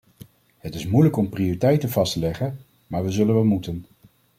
Het is moeilijk om prioriteiten vast te leggen, maar we zullen wel moeten.